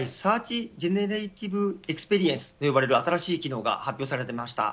今回サーチジェネレイティブエクスぺリエンスといわれる新しい機能が発表されました。